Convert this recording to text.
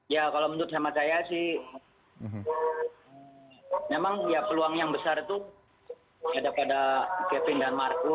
ya kalau menurut sama saya sih memang ya peluang yang besar itu ada pada kevin dan marcu